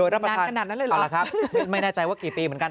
มันต้องนานขนาดนั้นเลยหรอไม่แน่ใจว่ากี่ปีเหมือนกัน